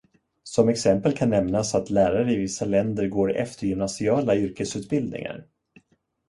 Som exempel kan nämnas att lärare i vissa länder går eftergymnasiala yrkesutbildningar.